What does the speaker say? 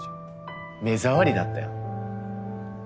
目障りだったよ。